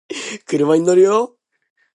車に乗るよ